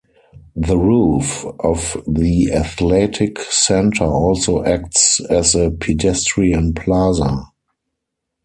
The roof of the athletic center also acts as a pedestrian plaza.